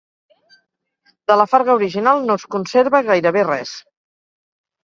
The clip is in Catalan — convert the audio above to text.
De la farga original no es conserva gairebé res.